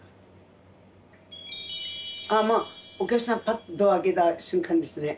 まあお客さんぱってドア開けた瞬間ですね。